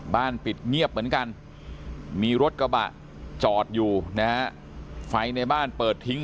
ปิดเงียบเหมือนกันมีรถกระบะจอดอยู่นะฮะไฟในบ้านเปิดทิ้ง